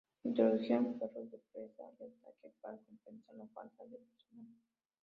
Se introdujeron perros de presa y ataque para compensar la falta de personal.